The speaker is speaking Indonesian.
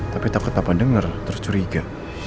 tapi takut dapat denger terus curiga